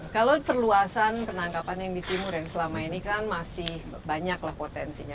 kalau perluasan penangkapan yang di timur yang selama ini kan masih banyaklah potensinya